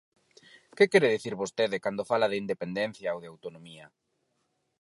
¿Que quere dicir vostede cando fala de independencia ou de autonomía?